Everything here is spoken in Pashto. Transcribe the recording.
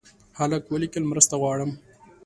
هلک ولیکل مرسته غواړم.